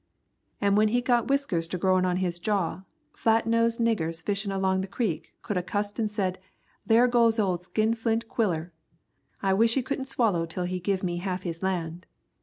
An' when he got whiskers to growin' on his jaw, flat nose niggers fishin' along the creek couldn't a' cussed an' said, 'There goes old skinflint Quiller. I wish he couldn't swallow till he give me half his land.'